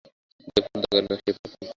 যে পর্দা করে না, সে পাপী।